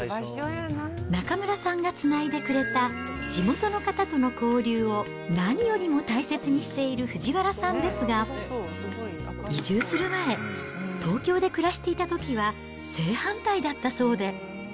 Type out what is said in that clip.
中村さんがつないでくれた地元の方との交流を何よりも大切にしている藤原さんですが、移住する前、東京で暮らしていたときは、正反対だったそうで。